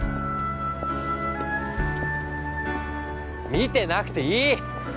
見てなくていい！